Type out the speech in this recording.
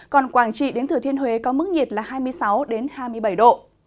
còn quảng trị đến thừa thiên huế có mức nhiệt là hai mươi sáu hai mươi bảy độ